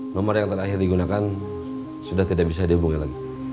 nomor yang terakhir digunakan sudah tidak bisa dihubungi lagi